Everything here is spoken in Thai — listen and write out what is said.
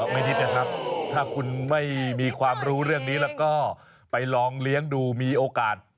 ไม่นิดนะครับถ้าคุณไม่มีความรู้เรื่องนี้แล้วก็ไปลองเลี้ยงดูมีโอกาส